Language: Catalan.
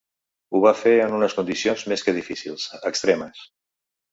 Ho va fer en unes condicions més que difícils: extremes.